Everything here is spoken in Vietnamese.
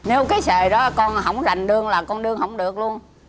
nếu cái sề đó con không rành đường là con đường không được luôn